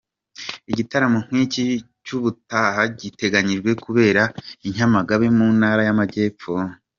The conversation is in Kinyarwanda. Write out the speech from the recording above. Igitaramo nk’iki cy’ubutaha giteganyijwe kubera i Nyamagabe mu Ntara y’Amajyepfo.